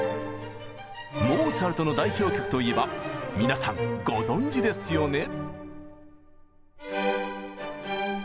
モーツァルトの代表曲といえば皆さんご存じですよね。